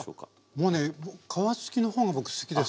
もうね皮付きの方が僕好きです。